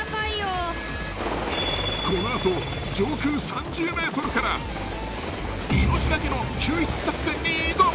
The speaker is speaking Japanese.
［この後上空３０ｍから命懸けの救出作戦に挑む］